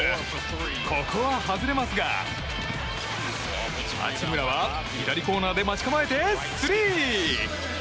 ここは外れますが、八村は左コーナーで待ち構えてスリー！